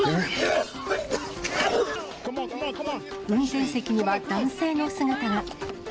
運転席には男性の姿が。